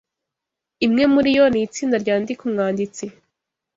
Imwe muriyo ni itsinda ryandika umwanditsi